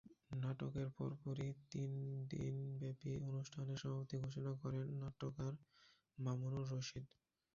নাটকের পরপরই তিন দিনব্যাপী অনুষ্ঠানের সমাপ্তি ঘোষণা করেন নাট্যকার মামুনুর রশীদ।